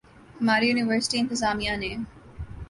ہماری یونیورسٹی انتظامیہ نے